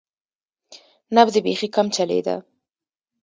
نبض یې بیخي کم چلیده.